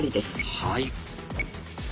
はい。